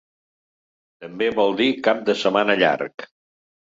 També vol dir cap de setmana llarg.